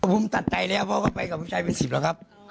ผมตัดใจแล้วเพราะเขาไปกับผู้ชายเป็น๑๐แล้วครับ